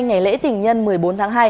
ngày lễ tỉnh nhân một mươi bốn tháng hai